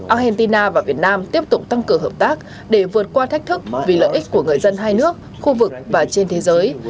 argentina và việt nam tiếp tục tăng cường hợp tác để vượt qua thách thức vì lợi ích của người dân hai nước khu vực và trên thế giới